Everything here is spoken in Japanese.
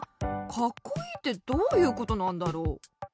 カッコイイってどういうことなんだろう？